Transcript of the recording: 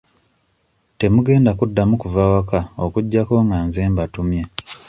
Temugenda kuddamu kuva waka okuggyako nga nze mbatumye.